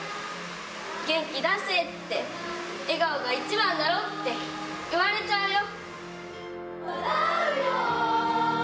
元気出せって、笑顔が一番だろって言われちゃうよ。